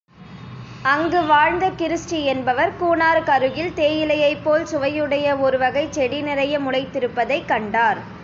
அங்கு வாழ்ந்த கிருஸ்டீ என்பவர், கூனூருக்கருகில் தேயிலையைப் போல் சுவையுடைய ஒருவகைச் செடி நிறைய முளைத்திருப்பதைக் கண்டார்.